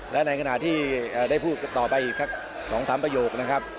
และในขณะที่ได้พูดต่อไปอีกสัก๒๓ประโยคนะครับ